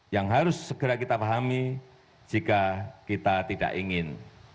yang harus segera kita pahami jika kita tidak ingin